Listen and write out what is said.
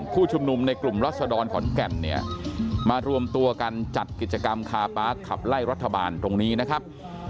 ผู้ชุมนุมในกลุ่มรัศดรขอนแก่นเนี่ยมารวมตัวกันจัดกิจกรรมคาปาร์คขับไล่รัฐบาลตรงนี้นะครับ